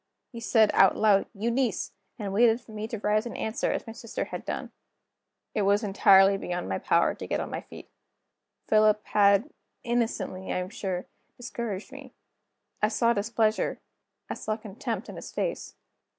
He said, out loud: "Eunice!" and waited for me to rise and answer, as my sister had done. It was entirely beyond my power to get on my feet. Philip had (innocently, I am sure) discouraged me; I saw displeasure, I saw contempt in his face.